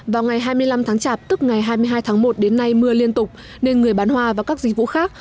vào ngày hai mươi năm tháng chạp tức ngày hai mươi hai tháng một đến nay mưa liên tục nên người bán hoa và các dịch vụ khác